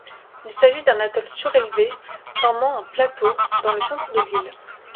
Il s'agit d'un atoll surélevé formant un plateau dans le centre de l'île.